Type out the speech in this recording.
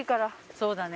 そうだね。